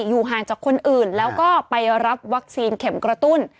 อยู่ห่างจากคนอื่นแล้วก็ไปรับวัคซีนเข็มกระตุ้น